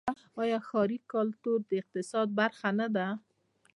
آیا ښاري کلتور د اقتصاد برخه ده؟